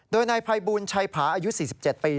โดยในภัยบูรณ์ชัยผาอายุ๔๗ปี